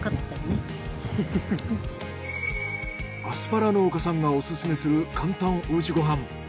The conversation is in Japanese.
アスパラ農家さんがオススメする簡単お家ご飯。